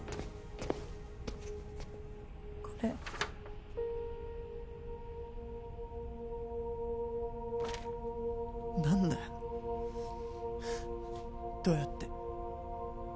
これ何だよどうやって？